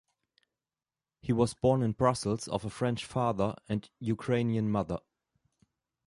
He was born in Brussels of a French father and Ukrainian mother.